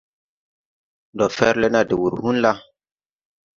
Ndo fer le na de wur hũn la?